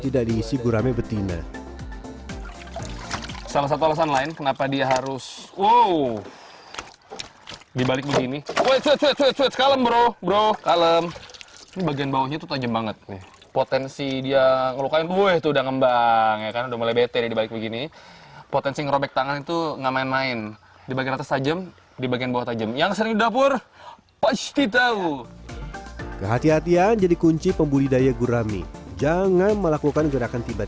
iso iso udah ber entscheidung thaw terhadap ilmu bahwa kelima yang berpelancongan orang tersebut